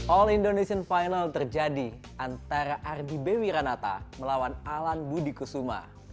all indonesian final terjadi antara ardi bewiranata melawan alan budi kusuma